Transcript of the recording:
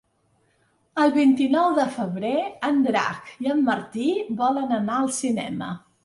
El vint-i-nou de febrer en Drac i en Martí volen anar al cinema.